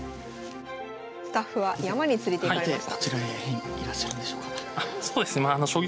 スタッフは山に連れていかれました。